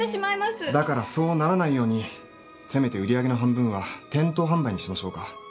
だからそうならないようにせめて売り上げの半分は店頭販売にしましょうか。